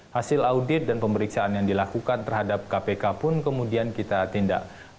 hasil audit dan pemeriksaan yang dilakukan terhadap kpk pun kemudian kita tindak